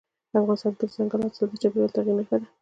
افغانستان کې دځنګل حاصلات د چاپېریال د تغیر نښه ده.